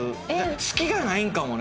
隙がないんかもね。